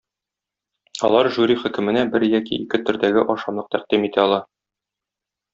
Алар жюри хөкеменә бер яки ике төрдәге ашамлык тәкъдим итә ала.